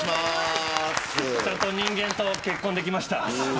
ちゃんと人間と結婚できました。